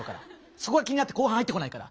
そこが気になって後半入ってこないから。